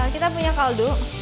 kita punya kaldu